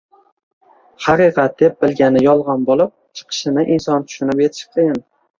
haqiqat deb bilgani yolg‘on bo‘lib chiqishini inson tushunib yetishi qiyin